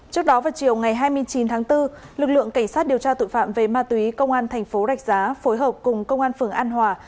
trước đó vào chiều ngày hai mươi chín tháng bốn lực lượng cảnh sát điều tra tội phạm về ma túy công an thành phố rạch giá phối hợp cùng công an phường an hòa